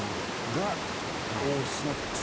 が、王室の土地。